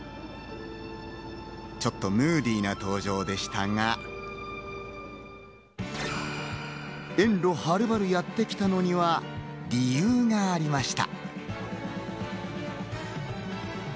ちょっとムーディーな登場でしたが、遠路はるばるやってきたのには理由がありました。